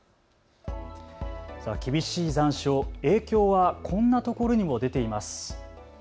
厳しい残暑、影響はこんなところにも出ています。